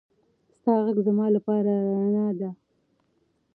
ستا غږ زما لپاره رڼا ده.